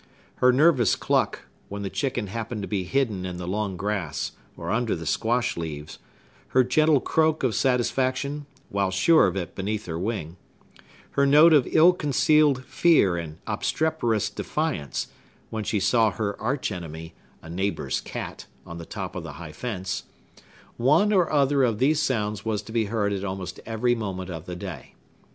Her nervous cluck, when the chicken happened to be hidden in the long grass or under the squash leaves; her gentle croak of satisfaction, while sure of it beneath her wing; her note of ill concealed fear and obstreperous defiance, when she saw her arch enemy, a neighbor's cat, on the top of the high fence,—one or other of these sounds was to be heard at almost every moment of the day.